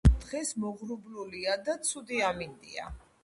დღეს მოღრუბლულია და ცუდი ამინდია